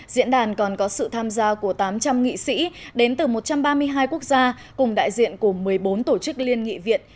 diễn đàn còn có sự tham gia của tám trăm linh nghị sĩ đến từ một trăm ba mươi hai quốc gia cùng đại diện của một mươi bốn tổ chức liên nghị viện